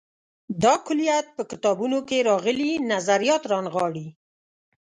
دا کُلیت په کتابونو کې راغلي نظریات رانغاړي.